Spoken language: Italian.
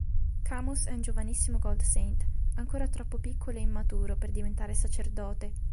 Camus è un giovanissimo Gold Saint, ancora troppo piccolo e immaturo per diventare Sacerdote.